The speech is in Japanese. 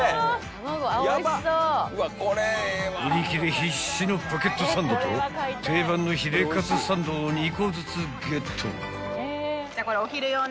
［売り切れ必至のポケットサンドと定番のヒレかつサンドを２個ずつゲット］